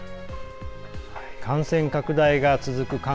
感染拡大が続く